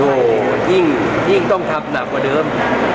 โอ้โหยิ่งต้องทำหนักกว่าเดิม